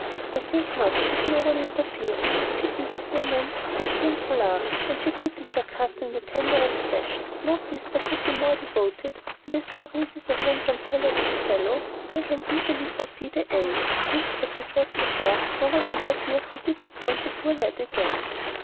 "I think not, if no one interferes. Pity, with women, is akin to love, and she pities her cousin in the tenderest fashion. No sister could be more devoted, and as Maurice is a handsome, talented fellow, one can easily foresee the end, if, as I said before, no one interferes to disappoint the poor lad again."